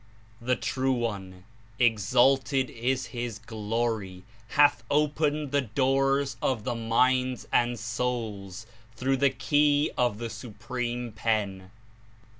The True One — exalted is His Glory !— hath opened the doors of the minds and souls through the key of the Supreme Pen.